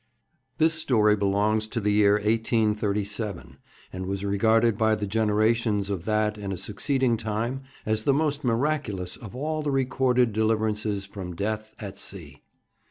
This story belongs to the year 1837, and was regarded by the generations of that and a succeeding time as the most miraculous of all the recorded deliverances from death at sea.